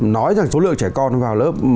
nói rằng số lượng trẻ con vào lớp một